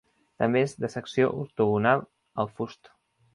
També és de secció octogonal el fust.